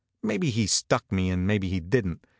Maybe he stuck me, and maybe he didn t.